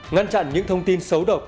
ngăn chặn những thông tin xấu độc